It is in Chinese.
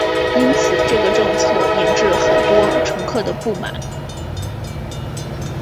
因此这个政策引致很多乘客的不满。